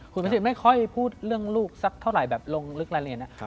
คุณพัชไม่ค่อยพูดเรื่องลูกสักเท่าไหร่แบบลงลึกรายละเอียดนะ